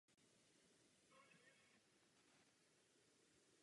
Jakým způsobem jsme se snažili toho dosáhnout?